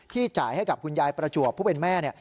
จ่ายให้กับคุณยายประจวบผู้เป็นแม่